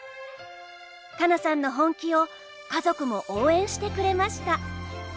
花菜さんの本気を家族も応援してくれました。